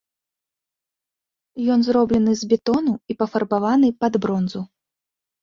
Ён зроблены з бетону і пафарбаваны пад бронзу.